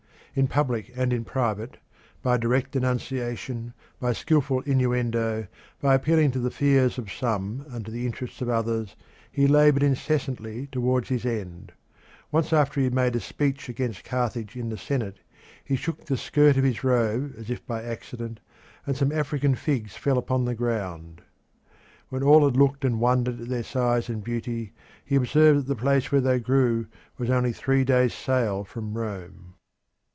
In public and in private, by direct denunciation, by skilful innuendo, by appealing to the fears of some and to the interests of others, he laboured incessantly towards his end. Once, after he had made a speech against Carthage in the senate, he shook the skirt of his robe as if by accident, and some African figs fell upon the ground. When all had looked and wondered at their size and beauty he observed that the place where they grew was only three days' sail from Rome.